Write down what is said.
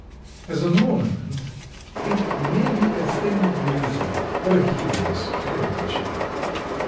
As an ornament it may be a thing of beauty, or a hideous caricature.